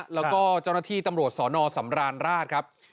แล้วก็เจ้าหน้าที่ตำรวจสนมรรดส